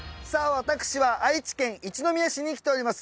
私は愛知県一宮市に来ております